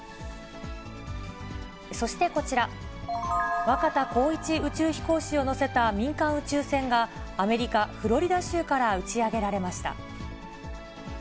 そしてこちら、若田光一宇宙飛行士を乗せた民間宇宙船が、アメリカ・フロリダ州から打ち上げられました。